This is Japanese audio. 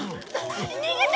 逃げた！